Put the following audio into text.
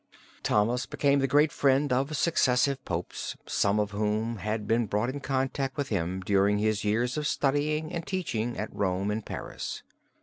Thomas became the great friend of successive popes, some of whom had been brought in contact with him during his years of studying and teaching at Rome and Paris.